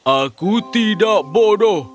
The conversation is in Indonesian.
aku tidak bodoh